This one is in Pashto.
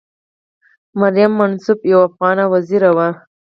مریم منصف یوه افغانه وزیره وه.